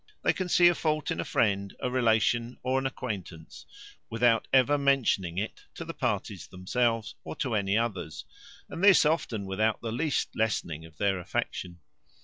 They can see a fault in a friend, a relation, or an acquaintance, without ever mentioning it to the parties themselves, or to any others; and this often without lessening their affection.